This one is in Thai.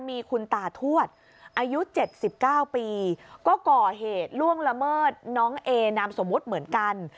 เมอร์น้องเอนามสมมติเหมือนกัน